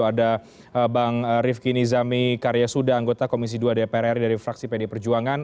ada bang rifki nizami karyasuda anggota komisi dua dpr ri dari fraksi pd perjuangan